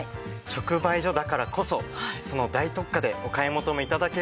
直売所だからこそその大特価でお買い求め頂けるんですけども。